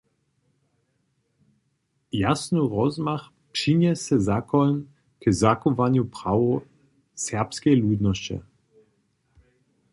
Jasny rozmach přinjese Zakoń k zachowanju prawow serbskeje ludnosće.